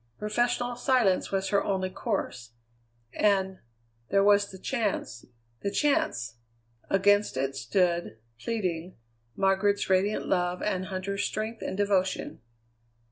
Professional silence was her only course. And there was the chance the chance! Against it stood, pleading, Margaret's radiant love and Huntter's strength and devotion.